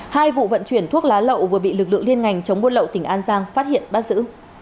hai vụ vận chuyển thuốc lá lậu vừa bị lực lượng liên ngành chống buôn lậu tỉnh an giang phát hiện bắt giữ